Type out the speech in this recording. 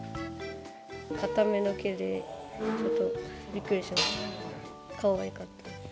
硬めの毛で、ちょっとびっくりしました。